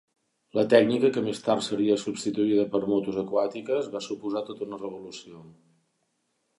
La tècnica, que més tard seria substituïda per motos aquàtiques, va suposar tota una revolució.